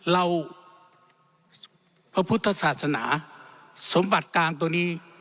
เราพระพุทธศาสนาสมบัติกลางตัวนี้